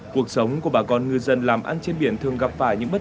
cuộc sống của bà con ngư dân làm ăn trên biển thường gặp phải